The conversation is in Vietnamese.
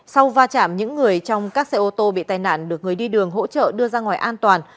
sau va chạm những người trong các xe ô tô bị tai nạn được người đi đường hỗ trợ đưa ra ngoài an toàn